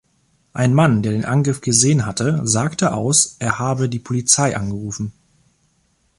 Ein Mann, der den Angriff gesehen hatte, sagte aus, er habe die Polizei angerufen.